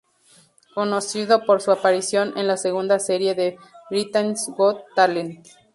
Conocido por su aparición en la segunda serie de Britain's Got Talent.